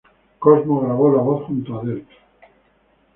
Cosmo grabó la voz junto a Delp.